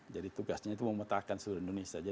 jadi tugasnya itu memetakan seluruh indonesia